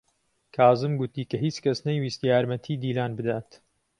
کازم گوتی کە هیچ کەس نەیویست یارمەتیی دیلان بدات.